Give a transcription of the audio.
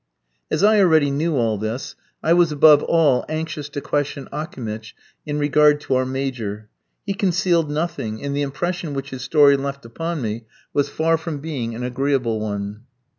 As I already knew all this, I was above all anxious to question Akimitch in regard to our Major. He concealed nothing, and the impression which his story left upon me was far from being an agreeable one.